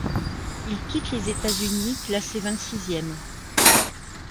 Il quitte les États-Unis classé vingt-sixième.